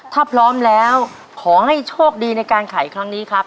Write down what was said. ถ้าพร้อมแล้วขอให้โชคดีในการไขครั้งนี้ครับ